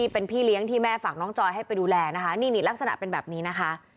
เป็นพี่เลี้ยงที่แม่ฝากน้องจอยให้ไปดูแลนะคะนี่นี่ลักษณะเป็นแบบนี้นะคะ